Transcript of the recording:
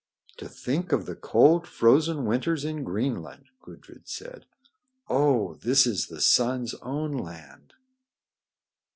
"To think of the cold, frozen winters in Greenland!" Gudrid said. "Oh! this is the sun's own land."